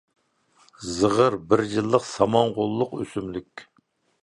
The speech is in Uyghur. زىغىر — بىر يىللىق سامان غوللۇق ئۆسۈملۈك.